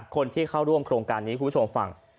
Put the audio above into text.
คนที่เข้าร่วมโครงการนี้คุณผู้ชมฟัง